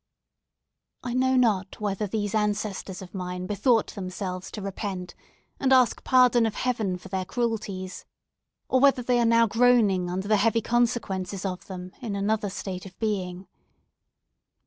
I know not whether these ancestors of mine bethought themselves to repent, and ask pardon of Heaven for their cruelties; or whether they are now groaning under the heavy consequences of them in another state of being.